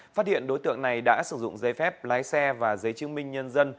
phát hiện đối tượng này đã sử dụng giấy phép lái xe và giấy chứng minh nhân dân